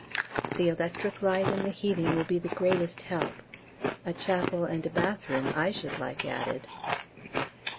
The electric light and the heating will be the greatest help a chapel and a bathroom I should like added!